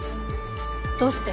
どうして？